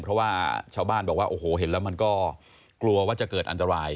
เพราะว่าชาวบ้านบอกว่าโอ้โหเห็นแล้วมันก็กลัวว่าจะเกิดอันตราย